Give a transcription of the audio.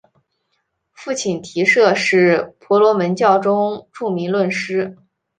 父亲提舍是婆罗门教中著名论师。